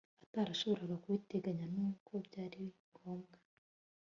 atarashoboraga kubiteganya nubwo byari ngombwa